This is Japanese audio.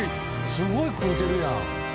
すごい食うてるやん。